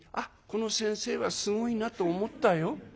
この先生はすごいなと思ったよ」。